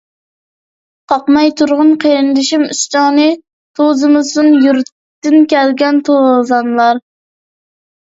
قاقماي تۇرغىن قېرىندىشىم ئۈستۈڭنى، توزۇمىسۇن يۇرتتىن كەلگەن توزانلار.